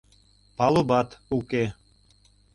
— Палубат уке.